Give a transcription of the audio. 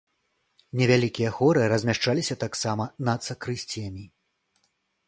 Невялікія хоры размяшчаліся таксама над сакрысціямі.